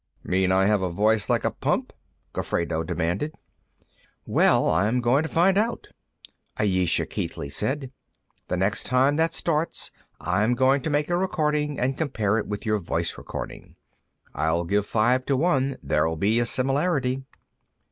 "Mean I have a voice like a pump?" Gofredo demanded. "Well, I'm going to find out," Ayesha Keithley said. "The next time that starts, I'm going to make a recording, and compare it with your voice recording. I'll give five to one there'll be a similarity."